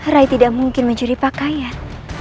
rai tidak mungkin mencuri pakaian